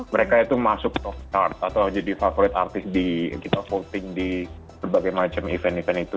mereka itu masuk top chart atau jadi favorite artist di kita voting di berbagai macam event event itu